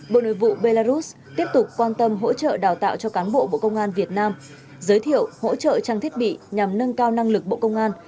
bộ nội vụ belarus tiếp tục quan tâm hỗ trợ đào tạo cho cán bộ bộ công an việt nam giới thiệu hỗ trợ trang thiết bị nhằm nâng cao năng lực bộ công an